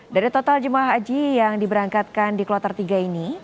dari total jemaah haji yang diberangkatkan di kloter tiga ini